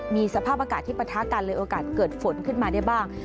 มีสภาพอากาศที่ปะทะกันเลยโอกาสเกิดฝนขึ้นมาได้บ้าง